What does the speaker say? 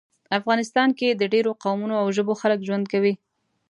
افغانستان کې د ډیرو قومونو او ژبو خلک ژوند کوي